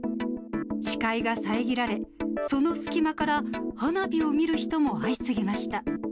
視界が遮られ、その隙間から花火を見る人も相次ぎました。